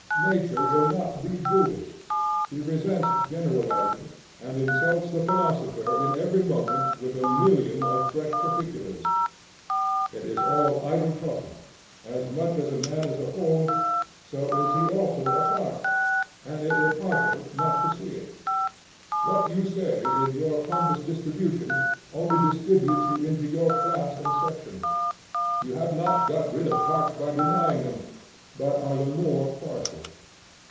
Nature will not be Buddhist: she resents generalizing, and insults the philosopher in every moment with a million of fresh particulars. It is all idle talking: as much as a man is a whole, so is he also a part; and it were partial not to see it. What you say in your pompous distribution only distributes you into your class and section. You have not got rid of parts by denying them, but are the more partial.